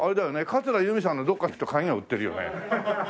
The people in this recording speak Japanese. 桂由美さんのどっか行くと鍵が売ってるよね。